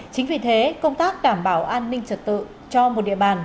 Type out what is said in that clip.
chính vì thế công tác đảm bảo an ninh trật tự cho một địa bàn